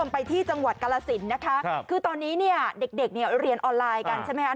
ไปที่จังหวัดกาลสินนะคะคือตอนนี้เนี่ยเด็กเนี่ยเรียนออนไลน์กันใช่ไหมคะ